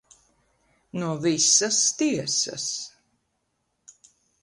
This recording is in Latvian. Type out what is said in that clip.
No visas tiesas.